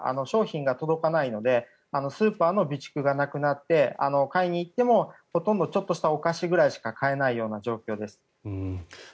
商品が届かないのでスーパーの備蓄がなくなって買いに行ってもほとんどちょっとしたお菓子くらいしか買えないような状況です。